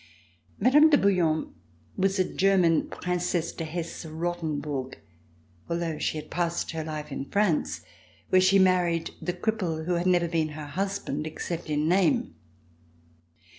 Mme. de Bouillon was a German, Princesse de Hesse Rothenbourg, although she had passed her life in France where she had married the cripple who had never been her husband except in name.